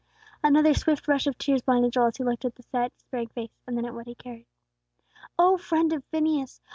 Another swift rush of tears blinded Joel, as he looked at the set, despairing face, and then at what he carried. O friend of Phineas!